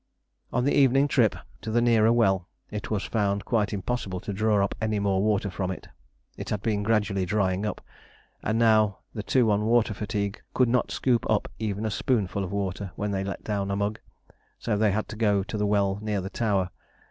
On the evening trip to the nearer well it was found quite impossible to draw up any more water from it. It had been gradually drying up, and now the two on water fatigue could not scoop up even a spoonful of water when they let down a mug, so they had to go on to the well near the tower.